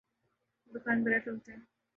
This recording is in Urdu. یہ مکان برائے فروخت ہے